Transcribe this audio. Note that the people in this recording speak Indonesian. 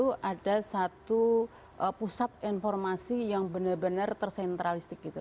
itu ada satu pusat informasi yang benar benar tersentralistik gitu